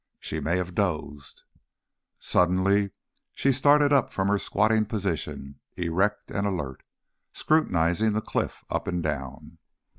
She may have dozed. Suddenly she started up from her squatting position, erect and alert, scrutinising the cliff up and down.